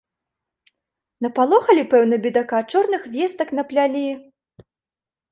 Напалохалі, пэўна, бедака, чорных вестак наплялі!